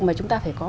mà chúng ta phải có